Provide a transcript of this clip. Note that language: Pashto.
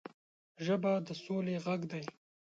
ژبه د سولې غږ دی